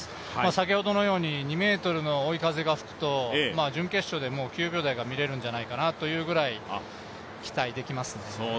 先ほどのように２ｍの追い風が吹くと準決勝で９秒台が見れるんじゃないかなというぐらい期待できますね。